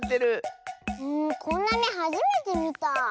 こんなめはじめてみた。